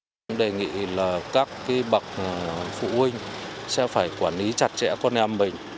chúng tôi đề nghị là các bậc phụ huynh sẽ phải quản lý chặt chẽ con em mình